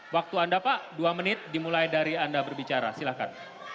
waktu anda pak dua menit dimulai dari anda berbicara silahkan